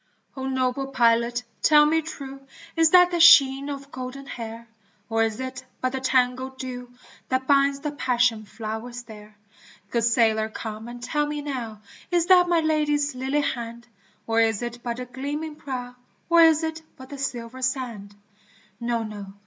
O noble pilot tell me true Is that the sheen of golden hair ? Or is it but the tangled dew That binds the passion flowers there? Good sailor come and tell me now Is that my Lady's lily hand? Or is it but the gleaming prow, Or is it but the silver sand ? No ! no